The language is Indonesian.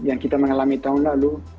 dan yang kita mengalami tahun lalu